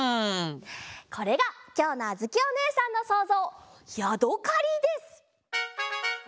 これがきょうのあづきおねえさんのそうぞうヤドカリです！